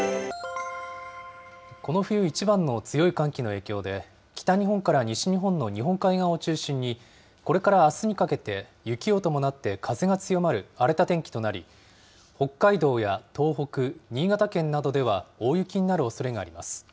この冬一番の強い寒気の影響で、北日本から西日本の日本海側を中心に、これからあすにかけて、雪を伴って風が強まる荒れた天気となり、北海道や東北、新潟県などでは、大雪になるおそれがあります。